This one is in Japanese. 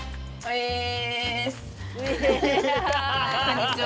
こんにちは。